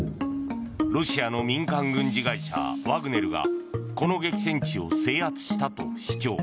ロシアの民間軍事会社ワグネルがこの激戦地を制圧したと主張。